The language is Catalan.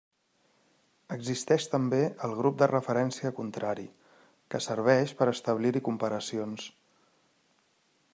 Existeix també el grup de referència contrari, que serveix per establir-hi comparacions.